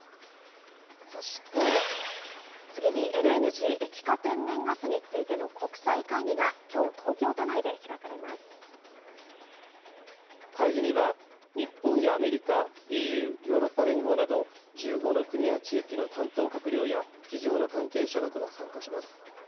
そして、次にＬＮＧ・液化天然ガスについての国際会議がきょう、東京都内会議には、日本やアメリカ、ＥＵ・ヨーロッパ連合など、１５の国や地域の担当閣僚や企業の関係者などが参加します。